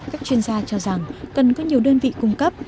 các chuyên gia cho rằng cần có nhiều đơn vị cung cấp